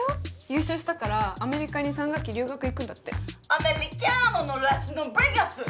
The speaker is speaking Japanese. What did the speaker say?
優勝したからアメリカに３学期留学行くんだってアメリカノのラスノベガス！